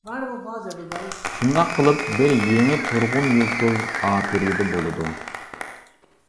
شۇنداق قىلىپ بىر يېڭى تۇرغۇن يۇلتۇز ئاپىرىدە بولىدۇ.